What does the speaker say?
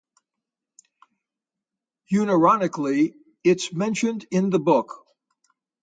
Unironically, it's mentioned in the book.